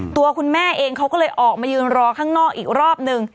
ตัวคุณแม่เองเขาก็เลยออกมายืนรอข้างนอกอีกรอบนึง